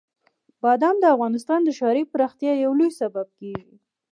بادام د افغانستان د ښاري پراختیا یو لوی سبب کېږي.